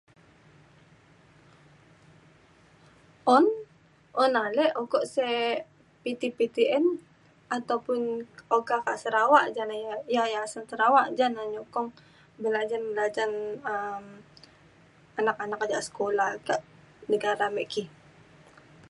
un un ale ukok sek PTPTN ataupun oka kak Sarawak ja na ya- Yayasan Sarawak ja na nyukong belajan belajan um anak anak ja sekula kak negara me ki.